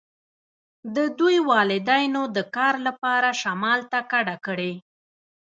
د دوی والدینو د کار لپاره شمال ته کډه کړې